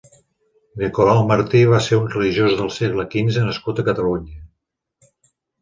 Nicolau Martí va ser un religiós del segle quinze nascut a Catalunya.